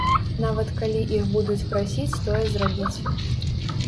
Нават калі іх будуць прасіць тое зрабіць.